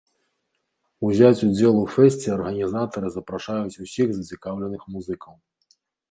Узяць удзел у фэсце арганізатары запрашаюць усіх зацікаўленых музыкаў!